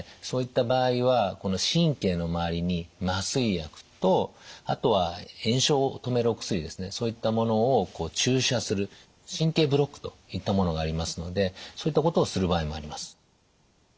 そういった場合はこの神経の周りに麻酔薬とあとは炎症を止めるお薬ですねそういったものを注射する神経ブロックといったものがありますのでそういったことをする場合もあります。